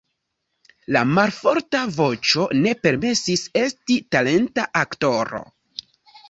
Lia malforta voĉo ne permesis esti talenta aktoro.